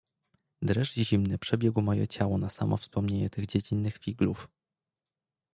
"Dreszcz zimny przebiegł moje ciało na samo wspomnienie tych dziecinnych figlów."